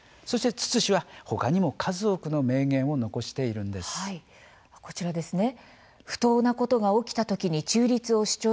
そしてツツ氏は、ほかにも数多くの名言を残しているんです。